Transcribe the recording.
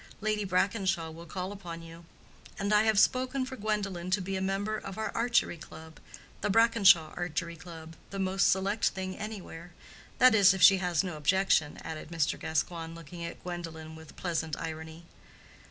Lady Brackenshaw will call upon you. And I have spoken for Gwendolen to be a member of our Archery Club—the Brackenshaw Archery Club—the most select thing anywhere. That is, if she has no objection," added Mr. Gascoigne, looking at Gwendolen with pleasant irony.